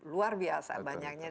luar biasa banyaknya